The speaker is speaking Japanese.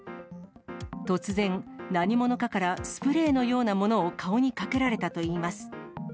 突然、何者かからスプレーのようなものを顔にかけられたといいます。